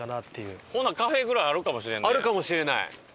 ほなカフェぐらいあるかもしれんね。